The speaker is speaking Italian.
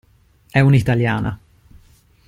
È un'italiana.